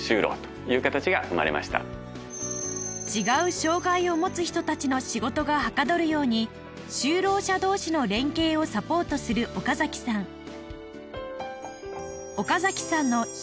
違う障がいを持つ人たちの仕事がはかどるように就労者同士の連携をサポートする岡崎さん